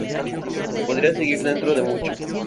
Podría seguir dentro de mucho.